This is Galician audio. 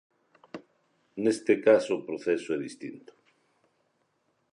Neste caso o proceso é distinto.